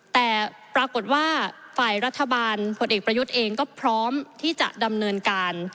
แต่ปรากฏว่าฝ่ายรัฐบาลผลเอกประยุทธ์เองก็พร้อมที่จะดำเนินการ